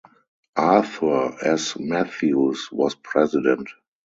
Arthur S. Matthews was President.